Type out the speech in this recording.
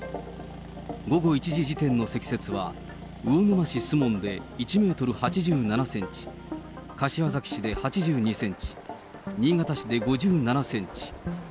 午後１時時点の積雪は、魚沼市守門で１メートル８７センチ、柏崎市で８２センチ、新潟市で５７センチ。